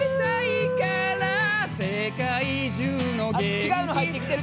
違うの入ってきてる。